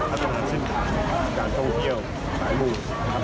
กับการพัฒนาเส้นข่าวการท่องเที่ยวสายมูล